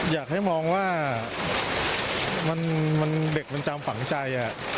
อยากให้มองว่ามันมันเด็กมันจามฝังใจอ่ะ